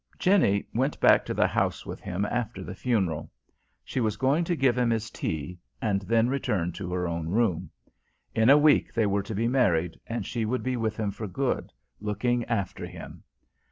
Jenny went back to the house with him after the funeral: she was going to give him his tea, and then return to her own room. In a week they were to be married, and she would be with him for good, looking after him.